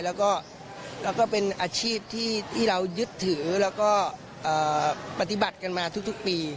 แล้วก็เป็นอาชีพที่เรายึดถือแล้วก็ปฏิบัติกันมาทุกปี